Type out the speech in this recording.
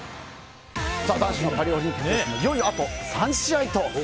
男子のパリオリンピックへいよいよあと３試合と。